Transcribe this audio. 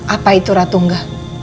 apa itu ratungga